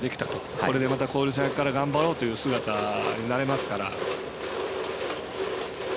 これでまた交流戦明けから頑張ろうという姿になれますから。